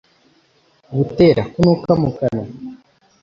butera kunuka mu kanwa